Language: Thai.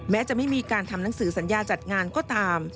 แม้จะไม่มีการทำหนังสือสัญญาจัดงานก็ตาม